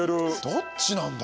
どっちなんだ？